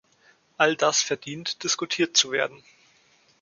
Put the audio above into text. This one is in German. All das verdient, diskutiert zu werden.